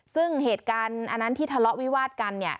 ซึ่งเหตุการณ์อันนั้นที่ทะเลาะวิวาดกันเนี่ย